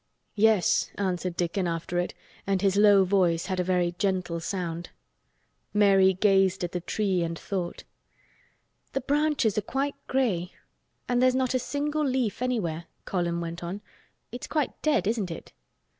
"Yes," answered Dickon, after it, and his low voice had a very gentle sound. Mary gazed at the tree and thought. "The branches are quite gray and there's not a single leaf anywhere," Colin went on. "It's quite dead, isn't it?"